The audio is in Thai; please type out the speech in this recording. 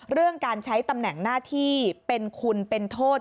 เรื่องการใช้ตำแหน่งหน้าที่เป็นคุณเป็นโทษ